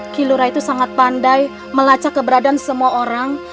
kilora itu sangat pandai melacak keberadaan semua orang